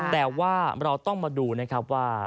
แต่ว่าเราต้องมาดูนะครับว่า